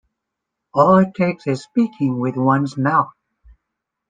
All it takes is speaking with one's mouth.